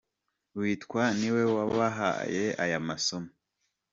witwa ni we wabahaye aya masomo.